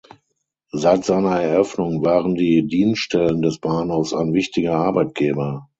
Seit seiner Eröffnung waren die Dienststellen des Bahnhofs ein wichtiger Arbeitgeber.